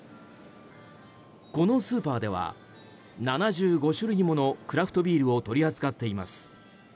このスーパーでは７５種類ものクラフトビールを取り扱っています。